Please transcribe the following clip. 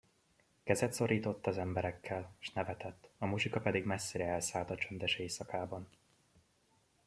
Kezet szorított az emberekkel, és nevetett, a muzsika pedig messzire elszállt a csöndes éjszakában.